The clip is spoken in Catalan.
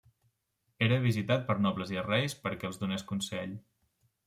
Era visitat per nobles i reis perquè els donés consell.